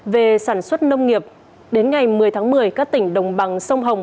về sản xuất nông nghiệp đến ngày một mươi tháng một mươi các tỉnh đồng bằng sông hồng